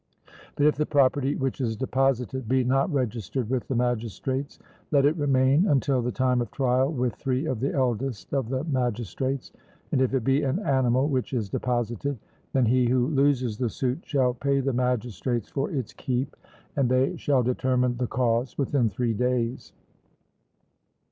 But if the property which is deposited be not registered with the magistrates, let it remain until the time of trial with three of the eldest of the magistrates; and if it be an animal which is deposited, then he who loses the suit shall pay the magistrates for its keep, and they shall determine the cause within three days.